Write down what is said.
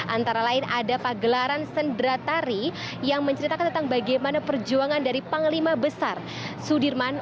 antara lain ada pagelaran sendratari yang menceritakan tentang bagaimana perjuangan dari panglima besar sudirman